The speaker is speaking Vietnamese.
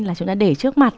là chúng ta để trước mặt